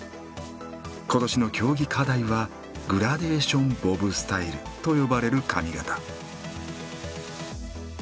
今年の競技課題はグラデーションボブスタイルと呼ばれる髪形。